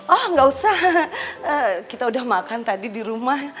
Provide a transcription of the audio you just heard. oh nggak usah kita udah makan tadi di rumah